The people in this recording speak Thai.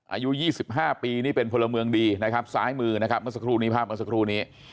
อายุ๒๕ปีนี่เป็นพลเมืองดีนะครับซ้ายมือนะครับภาพมันสักครู่นี้